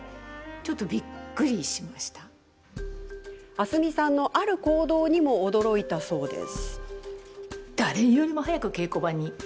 明日海さんのある行動にも驚いたそうです。